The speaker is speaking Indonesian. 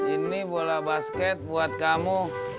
ini bola basket buat kamu